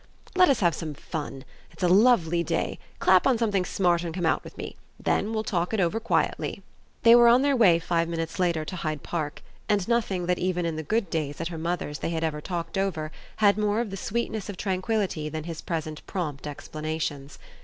Let us have some fun it's a lovely day: clap on something smart and come out with me; then we'll talk it over quietly." They were on their way five minutes later to Hyde Park, and nothing that even in the good days at her mother's they had ever talked over had more of the sweetness of tranquillity than his present prompt explanations.